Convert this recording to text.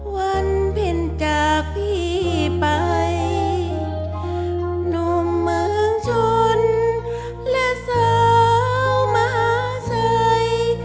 วันเพ็ญจากพี่ไปหนุ่มเมืองชนและสาวมหาชัย